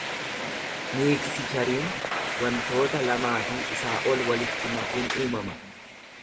Miiksichariin wantoota lamaa fi isaa ol walitti makuun uumama.